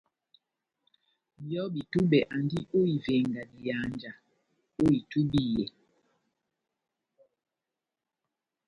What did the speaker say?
Nʼyobi-túbɛ andi ó ivenga dihanja ó itúbiyɛ.